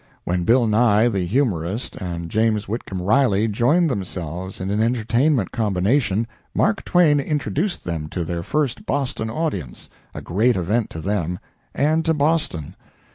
When Bill Nye, the humorist, and James Whitcomb Riley joined themselves in an entertainment combination, Mark Twain introduced them to their first Boston audience a great event to them, and to Boston.